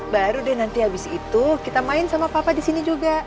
baru deh nanti habis itu kita main sama papa di sini juga